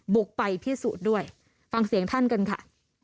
บุกไปพิสูจน์ด้วยฟังเสียงท่านกันค่ะ